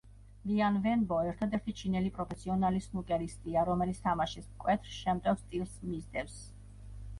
ლიან ვენბო ერთადერთი ჩინელი პროფესიონალი სნუკერისტია, რომელიც თამაშის მკვეთრ შემტევ სტილს მისდევს.